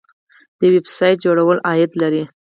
د ویب سایټ جوړول عاید لري